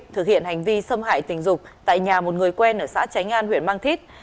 thực hiện hành vi xâm hại tình dục tại nhà một người quen ở xã tránh an huyện mang thít